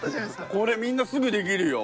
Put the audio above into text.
これみんなすぐ出来るよ！